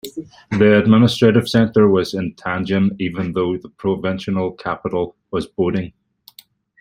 The administrative centre was in Tianjin even though the provincial capital was in Baoding.